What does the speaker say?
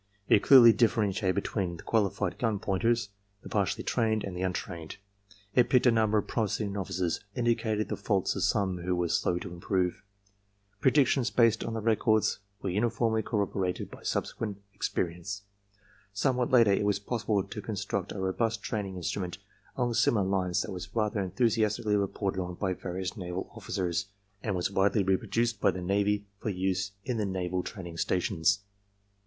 It clearly differentiated between the qualified gun pointers, the partially trained, and the untrained. It picked a number of promising novices and indicated the faults of some who were slow to improve. Predictions based on the records were uni 188 ARMY MENTAL TESTS formly corroborated by subsequent experience. Somewhat later it was possible to construct a robust training instrument along similar lines that was rather enthusiastically reported on by various Naval officers, and was widely reproduced by the Navy for use in the Naval Training Stations.